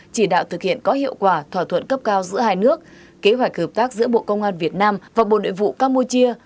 chỉ đạo thực hiện có hiệu quả thỏa thuận cấp cao giữa hai nước kế hoạch hợp tác giữa bộ công an việt nam và bộ nội vụ campuchia